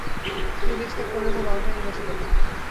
তিনি দেশত্যাগ করেন এবং মাল্টায় নির্বাসিত হন।